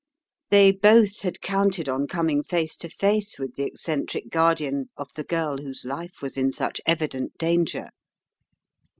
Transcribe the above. They both had counted on coming face to face with the eccentric guardian of the girl whose life was in such evident danger.